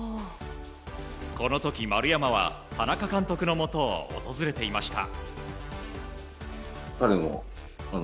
この時、丸山は田中監督のもとを訪れていました。